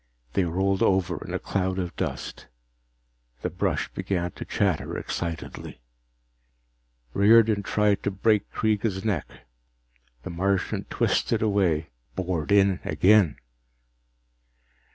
They rolled over in a cloud of dust. The brush began to chatter excitedly. Riordan tried to break Kreega's neck the Martian twisted away, bored in again.